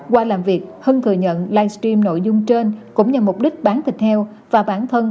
qua làm việc hân thừa nhận livestream nội dung trên cũng nhằm mục đích bán thịt heo và bản thân